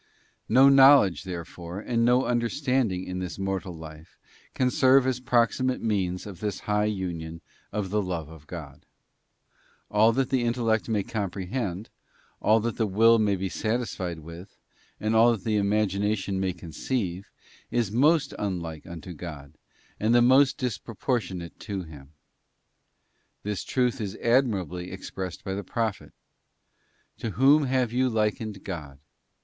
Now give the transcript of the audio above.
No knowledge, therefore, and no understanding in this _ mortal life can serve as proximate means of this high union _ of the love of God. All that the intellect may comprehend ; all that the will may be satisfied with; and all that the ___ imagination may conceive, is most unlike unto God, and j most disproportionate to Him. 'This truth is admirably ex _ pressed by the Prophet: 'To whom then have you likened _ God?